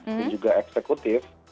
dan juga eksekutif